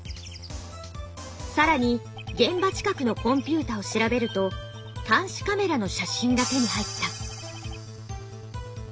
更に現場近くのコンピュータを調べると監視カメラの「写真」が手に入った。